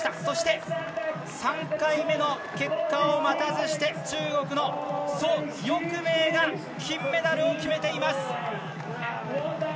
そして３回目の結果を待たずして中国の蘇翊鳴が金メダルを決めています。